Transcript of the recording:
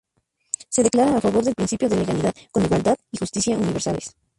Se declara a favor del principio de legalidad, con igualdad y justicia universales.